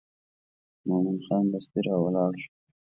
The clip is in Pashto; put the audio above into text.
مومن خان دستي راولاړ شو.